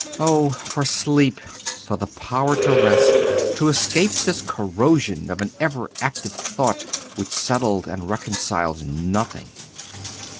Oh, for sleep for the power to rest to escape this corrosion of an ever active thought, which settled and reconciled nothing!